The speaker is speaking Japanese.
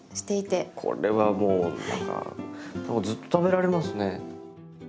これはもう何かずっと食べられますね。